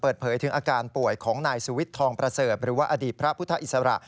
เปิดเผยถึงอาการป่วยของนายสุวิทย์ทองประเสริฐหรือว่าอดีตพระพุทธอิสระ